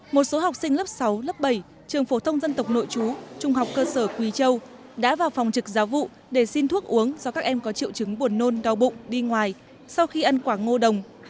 một số học sinh lớp sáu lớp bảy trường phổ thông dân tộc nội chú trung học cơ sở quỳ châu đã vào phòng trực giáo vụ để xin thuốc uống do các em có triệu chứng buồn nôn đau bụng đi ngoài sau khi ăn quả ngô đồng